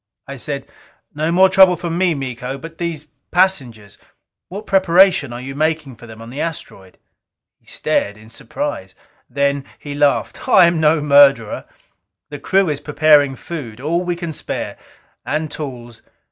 I said, "No more trouble from me, Miko. But these passengers what preparation are you making for them on the asteroid?" He stared in surprise. Then he laughed. "I am no murderer. The crew is preparing food, all we can spare. And tools.